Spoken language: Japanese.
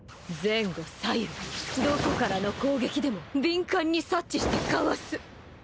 前後左右どこからの攻撃でも敏感に察知してかわす